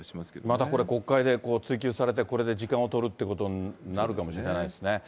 またこれ、国会で追及されて、これで時間を取るっていうことになるかもしれないですね。